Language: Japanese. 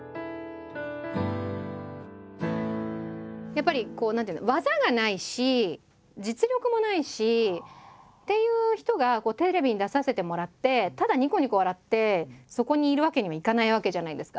やっぱりこう何ていうの技がないし実力もないしっていう人がテレビに出させてもらってただにこにこ笑ってそこにいるわけにはいかないわけじゃないですか。